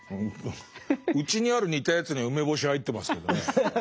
うちにある似たやつには梅干し入ってますけどね。